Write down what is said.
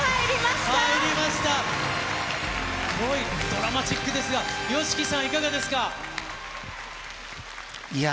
ドラマチックですが、ＹＯＳＨＩＫＩさん、いかがですいや